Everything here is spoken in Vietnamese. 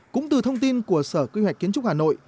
cũng từ thông tin của sở quy hoạch kiến trúc hà nội